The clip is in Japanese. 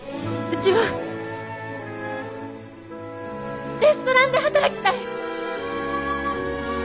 うちはレストランで働きたい！